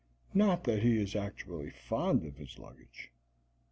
Not that he is actually fond of his luggage.